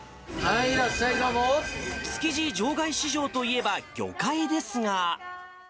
築地場外市場といえば、魚介ですが。